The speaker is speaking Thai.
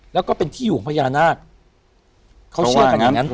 แล้วก็เป็นที่อยู่ของพญานาคเขาเชื่อกันอย่างนั้น